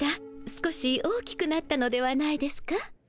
少し大きくなったのではないですか？